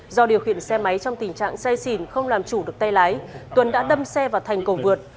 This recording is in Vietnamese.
do điều khiển xe máy trong tình trạng say xỉn không làm chủ được tay lái tuấn đã đâm xe vào thành cầu vượt